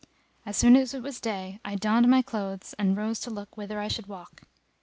As soon as it was day, I donned my clothes and rose to look whither I should walk.